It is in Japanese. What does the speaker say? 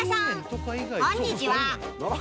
こんにちは。